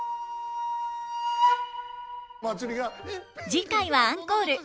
次回はアンコール。